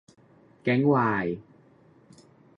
แก๊งวาย